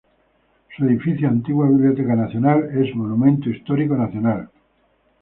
Su edificio, antigua Biblioteca Nacional, es Monumento Histórico Nacional.